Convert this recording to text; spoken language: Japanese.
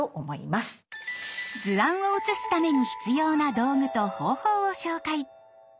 図案を写すために必要な道具と方法を紹介。